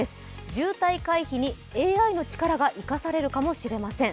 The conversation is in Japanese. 渋滞回避にＡＩの力が生かされるかもしれません。